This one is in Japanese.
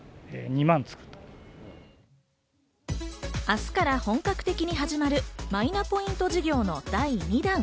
明日から本格的に始まるマイナポイント事業の第２弾。